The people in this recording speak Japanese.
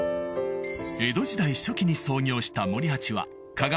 江戸時代初期に創業した森八は加賀